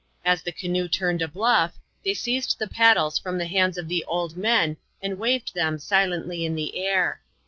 As the canoe turned a bluff, thej «eiaed the paddles from the hands of the old men, and waved them silently in the air.